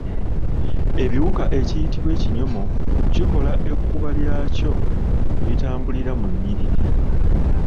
Ebiwuka ekiyitibwa ekinyomo kikola ekkuba lyakyo mwe bitambulira mu nnyiriri.